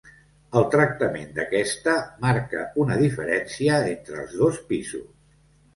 El tractament d'aquesta marca una diferència entre els dos pisos.